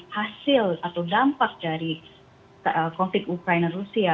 hasil atau dampak dari konflik ukraina rusia